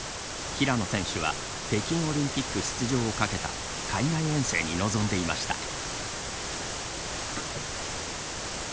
平野選手は北京オリンピック出場を懸けた海外遠征に臨んでいました。